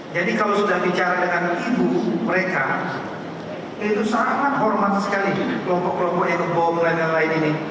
jadi kalau sudah bicara dengan ibu mereka itu sangat hormat sekali kelompok kelompok yang membawa mengandalkan lain ini